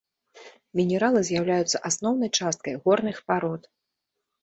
Мінералы з'яўляюцца асноўнай часткай горных парод.